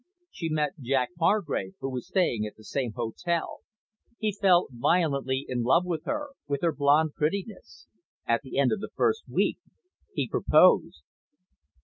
She met Jack Hargrave, who was staying at the same hotel. He fell violently in love with her, with her blonde prettiness. At the end of the first week he proposed.